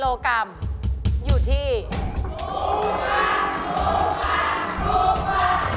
ถูกกังถูกกังถูกกัง